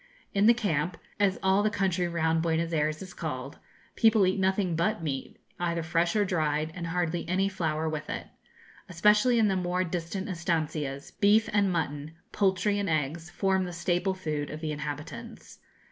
In the camp as all the country round Buenos Ayres is called people eat nothing but meat, either fresh or dried, and hardly any flour with it. Especially in the more distant estancias, beef and mutton, poultry and eggs, form the staple food of the inhabitants.